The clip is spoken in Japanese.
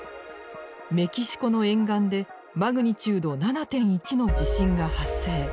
メキシコの沿岸でマグニチュード７．１の地震が発生。